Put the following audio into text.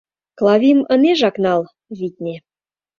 Клавим ынежак нал, витне.